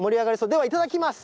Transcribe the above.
ではいただきます。